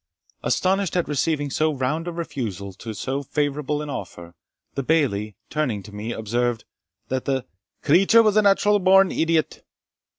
Astonished at receiving so round a refusal to so favourable an offer, the Bailie, turning to me, observed, that the "creature was a natural born idiot."